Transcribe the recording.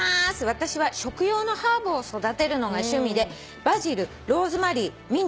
「私は食用のハーブを育てるのが趣味でバジルローズマリーミント